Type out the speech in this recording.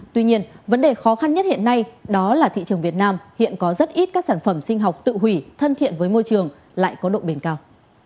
tuy nhiên vấn đề khó khăn nhất hiện nay đó là thị trường việt nam hiện có rất ít các sản phẩm sinh học tự hủy thân thiện với môi trường lại có độ bền cao